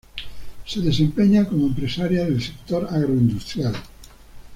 Se desempeña como empresaria del sector Agroindustrial.